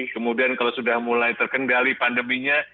kemudian kalau sudah mulai terkendali pandeminya